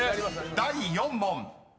［第４問］